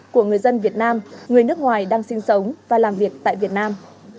của người dân việt nam người nước ngoài đang sinh sống và làm việc tại việt nam